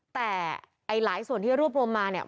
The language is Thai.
แต่หลายส่วนที่รวบรวมมาเนี่ย